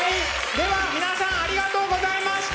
では皆さんありがとうございました。